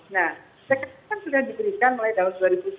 nah saya kira kan sudah diberikan mulai tahun dua ribu sepuluh